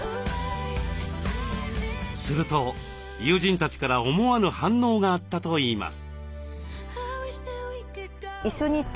すると友人たちから思わぬ反応があったといいます。